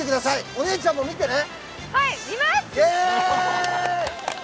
お姉ちゃんも見てね！